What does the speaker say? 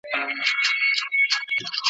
دلته هرڅه سودا کیږي څه بازار ته یم راغلی ,